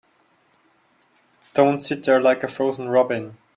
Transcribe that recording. Don't sit there like a frozen robin.